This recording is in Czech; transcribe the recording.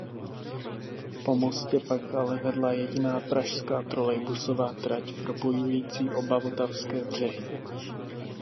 Po mostě pak ale vedla jediná pražská trolejbusová trať propojující oba vltavské břehy.